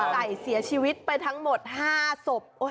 ไก่เสียชีวิตไปทั้งหมด๕ศพ